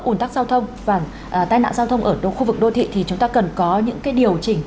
ổn thắc giao thông và tai nạn giao thông ở khu vực đô thị thì chúng ta cần có những cái điều chỉnh